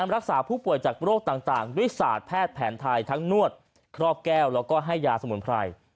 รักษาผู้ป่วยจากโรคต่างด้วยศาสตร์แพทย์แผนไทยทั้งนวดครอบแก้วแล้วก็ให้ยาสมุนไพร